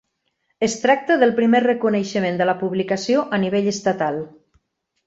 Es tracta del primer reconeixement de la publicació a nivell estatal.